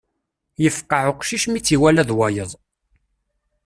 Yefqeɛ uqcic mi tt-iwala d wayeḍ.